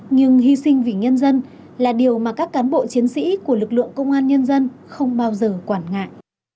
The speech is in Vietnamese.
nhưng hy sinh vì nhân dân là điều mà các cán bộ chiến sĩ của lực lượng công an nhân dân không bao giờ quản ngại